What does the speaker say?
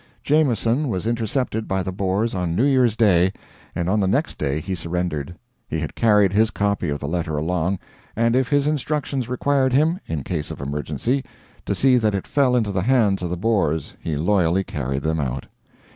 Jameson was intercepted by the Boers on New Year's Day, and on the next day he surrendered. He had carried his copy of the letter along, and if his instructions required him in case of emergency to see that it fell into the hands of the Boers, he loyally carried them out.